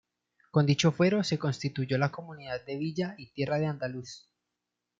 Con dicho Fuero se constituyó la Comunidad de villa y tierra de Andaluz.